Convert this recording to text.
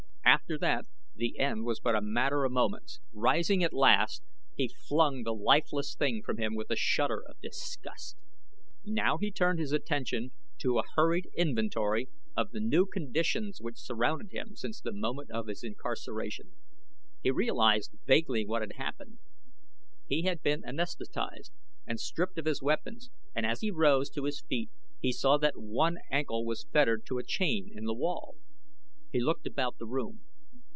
After that the end was but a matter of moments. Rising at last he flung the lifeless thing from him with a shudder of disgust. Now he turned his attention to a hurried inventory of the new conditions which surrounded him since the moment of his incarceration. He realized vaguely what had happened. He had been anaesthetized and stripped of his weapons, and as he rose to his feet he saw that one ankle was fettered to a chain in the wall. He looked about the room.